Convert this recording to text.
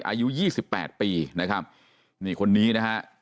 อายุ๒๘ปีนะครับนี่คนนี้นะฮะ